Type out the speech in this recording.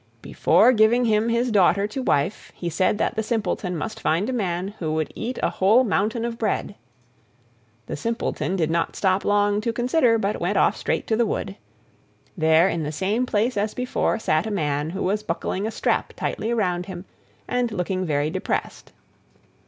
Before giving him his daughter to wife he said that the Simpleton must find a man who would eat a whole mountain of bread. The Simpleton did not stop long to consider, but went off straight to the wood. There in the same place as before sat a man who was buckling a strap tightly around him, and looking very depressed.